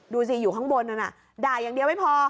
ดูสิอยู่ข้างบนนั้นด่าอย่างเดียวไม่พอ